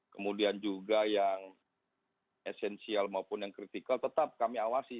kemudian juga yang esensial maupun yang kritikal tetap kami awasi